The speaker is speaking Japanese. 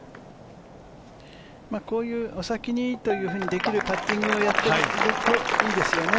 こういう「お先に」というふうにできるパッティングをやっていればいいですよね。